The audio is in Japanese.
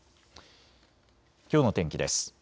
きょうの天気です。